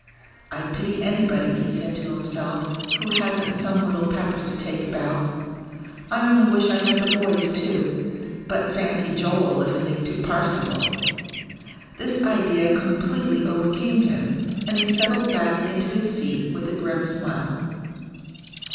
"I pity anybody," he said to himself, "who hasn't some little Peppers to take about; I only wish I had the boys, too. But fancy Joel listening to 'Parsifal'!" This idea completely overcame him, and he settled back into his seat with a grim smile.